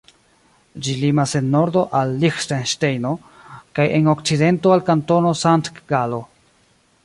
Ĝi limas en nordo al Liĥtenŝtejno kaj en okcidento al Kantono Sankt-Galo.